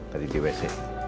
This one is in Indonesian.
tadi di wc